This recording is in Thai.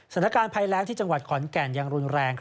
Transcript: สถานการณ์ภัยแรงที่จังหวัดขอนแก่นยังรุนแรง